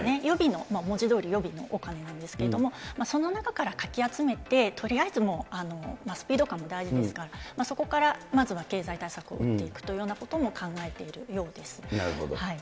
予備の、文字どおり予備のお金なんですけども、その中からかき集めて、とりあえず、スピード感も大事ですから、そこからまずは経済対策を打っていくというようなことも考えているようです。